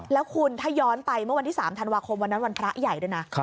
แล้วคุณถ้าย้อนไปเมื่อวันที่๓ธันวาคมวันนั้นวันพระใหญ่ด้วยนะ